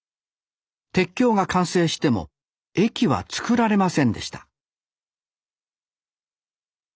鉄橋が完成しても駅は作られませんでした